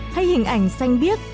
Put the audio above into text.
hay hình ảnh xanh biếc